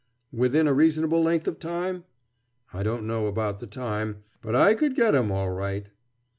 "Within a reasonable length of time?" "I don't know about the time! But I could get him, all right."